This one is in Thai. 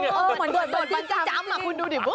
เหมือนะบันทรี่จำน่ะอ้าว